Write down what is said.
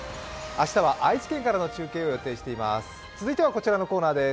明日は愛知県からの中継を予定しています。